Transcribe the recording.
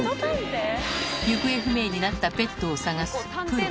行方不明になったペットを捜すプロ。